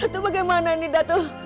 datuk bagaimana ini datuk